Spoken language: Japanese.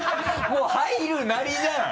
もう入るなりじゃん！